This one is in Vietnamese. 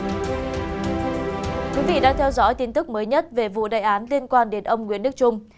thưa quý vị đang theo dõi tin tức mới nhất về vụ đại án liên quan đến ông nguyễn đức trung